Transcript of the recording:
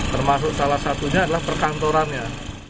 termasuk salah satunya adalah perkantorannya